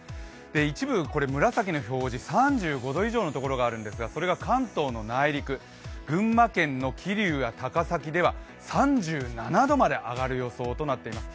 一部これ、紫の表示、３５度以上のところがあるんですがそれが関東の内陸群馬県の桐生や高崎では３７度まで上がる予想となっています。